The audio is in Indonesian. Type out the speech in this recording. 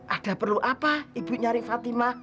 ada perlu apa ibu nyari fatima